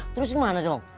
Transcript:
terus gimana dong